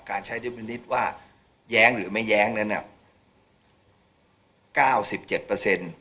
การใช้ดูมินิฤทธิ์ว่าแย้งหรือไม่แย้งนั้นน่ะ